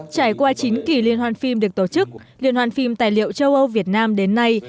trải qua chín kỳ liên hoan phim được tổ chức liên hoàn phim tài liệu châu âu việt nam đến nay